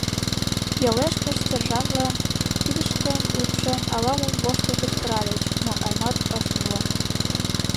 Йолешкышт сержантлан кидыштым лупшен, ала-мом воштыл кычкыральыч, но Аймат ыш умыло.